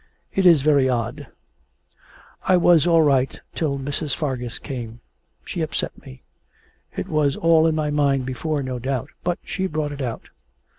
It is very odd. I was all right till Mrs. Fargus came, she upset me. It was all in my mind before, no doubt; but she brought it out.